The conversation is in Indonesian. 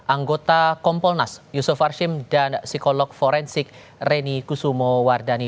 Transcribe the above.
anggota kompolnas yusuf arshim dan psikolog forensik reni kusumo wardani